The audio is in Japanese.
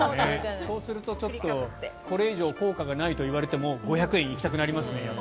そうするとこれ以上効果がないといわれても５００円行きたくなりますね。